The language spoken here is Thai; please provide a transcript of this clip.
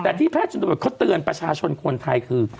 แต่ที่แพทย์ชนบทเขาเตือนประชาชนคนไทยคือ